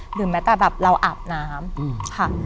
หรือแม้แต่แบบเราอาบน้ำค่ะ